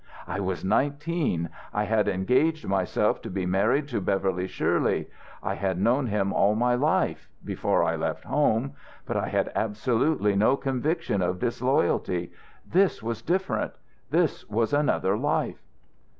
I was nineteen.... I had engaged myself to be married to Beverly Shirley. I had known him all my life before I left home but I had absolutely no conviction of disloyalty. This was different; this was another life."